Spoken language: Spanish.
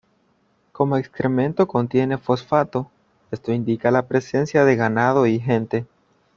Como excremento contiene fosfato, esto indica la presencia de ganado y gente.